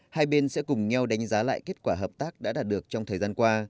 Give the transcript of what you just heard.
hai bên sẽ cùng nhau đánh giá lại kết quả hợp tác đã đạt được trong thời gian qua